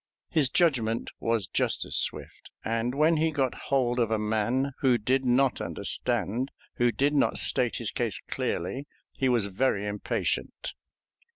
His judgment was just as swift, and when he got hold of a man who did not understand, who did not state his case clearly, he was very impatient.